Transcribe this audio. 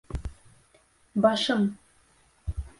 Башым!..